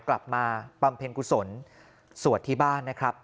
บำเพ็ญกุศลสวดที่บ้านนะครับ